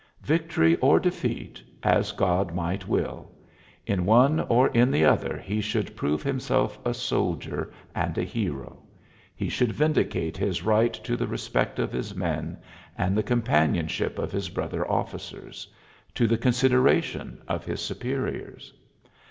Victory or defeat, as God might will; in one or in the other he should prove himself a soldier and a hero; he should vindicate his right to the respect of his men and the companionship of his brother officers to the consideration of his superiors.